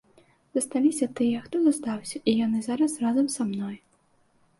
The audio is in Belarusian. Засталіся тыя, хто застаўся, і яны зараз разам са мной.